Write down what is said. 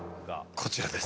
こちらです。